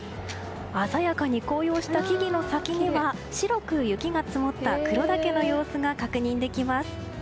鮮やかに紅葉した木々の先には白く雪が積もった黒岳の様子が確認できます。